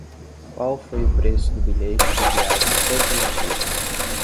Qual foi o preço do bilhete de viagem todos os dias?